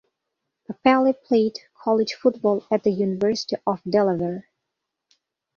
Papale played college football at the University of Delaware.